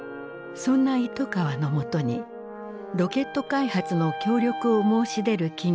そんな糸川の元にロケット開発の協力を申し出る企業があった。